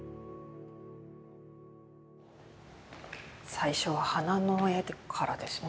最初は花の絵からですね。